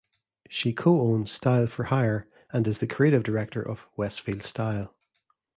She co-owns Style for Hire and is the creative director of Westfield Style.